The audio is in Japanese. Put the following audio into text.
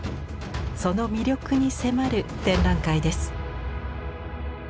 その魅力に迫る展覧会です。